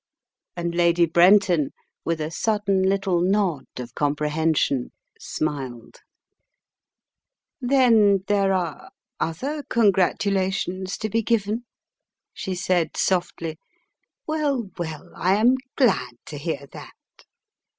And Lady Brenton, with a sudden little nod of com prehension, smiled. "A Tale Unfolded" 309 "Then there are — other congratulations to be given," she said, softly. "Well, well, Fm glad to hear that.